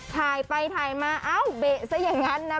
ถ่ายไปถ่ายมาเอ้าเบะซะอย่างนั้นนะ